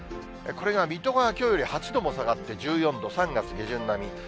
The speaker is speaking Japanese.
これが水戸がきょうより８度も下がって１４度、３月下旬並み。